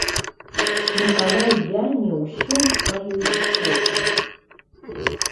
Мікалай вяне ўсёй сваёй істотай.